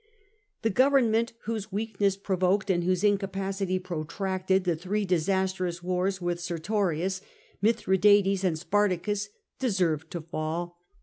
The government whose weakness provoked, and whose incapacity protracted, the three disastrous wars with Sertorius, Mithradates, and Spartacus, deserved to fall.